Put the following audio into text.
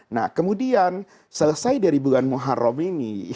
nah kemudian selesai dari bulan muharram ini